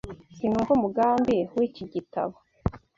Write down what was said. Sinumva umugambi wiki gitabo.